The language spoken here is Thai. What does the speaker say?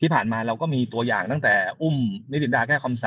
ที่ผ่านมาเราก็มีตัวอย่างตั้งแต่อุ้มนิจินดาแก้คำสั่ง